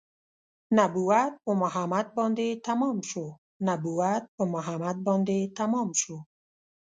نبوت په محمد باندې تمام شو نبوت په محمد باندې تمام شو